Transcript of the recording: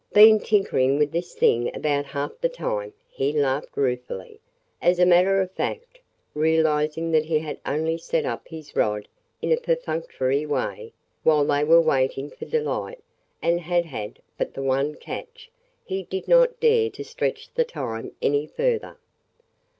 "Been tinkering with this thing about half the time," he laughed ruefully. As a matter of fact, realizing that he had only set up his rod in a perfunctory way, while they were waiting for Delight, and had had but the one catch, he did not dare to stretch the time any further.